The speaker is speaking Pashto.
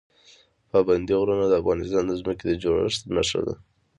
پابندی غرونه د افغانستان د ځمکې د جوړښت نښه ده.